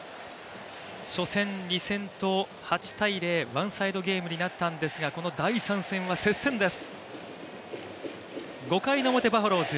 初戦、２戦と８−０、ワンサイドゲームになったんですがこの第３戦は接戦です。